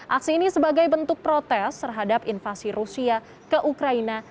aksi ini sebagai bentuk protes terhadap invasi rusia ke ukraina